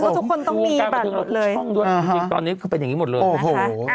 ครับผมทุกคนต้องมีบัตรหมดเลยช่องด้วยอ่าฮะตอนนี้คือเป็นอย่างงี้หมดเลยนะคะโอ้โห